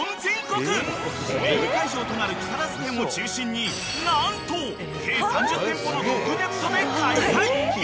［メイン会場となる木更津店を中心に何と計３０店舗のＤＯＧＤＥＰＴで開催］